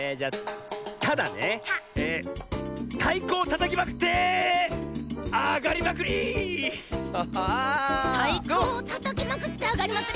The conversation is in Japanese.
「たいこをたたきまくってあがりまくり」